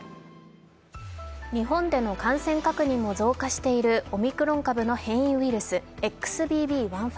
日本での感染確認も増加しているオミクロン株の変異ウイルス、ＸＢＢ．１．５。